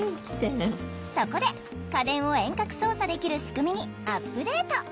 そこで家電を遠隔操作できる仕組みにアップデート！